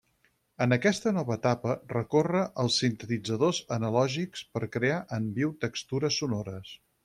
En aquesta nova etapa recorre als sintetitzadors analògics per crear en viu textures sonores.